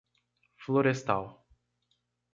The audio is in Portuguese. Florestal